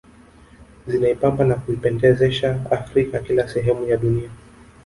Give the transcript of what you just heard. Zinaipamba na kuipendezesha Afrika kila sehemu ya dunia